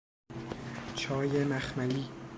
چای مخملی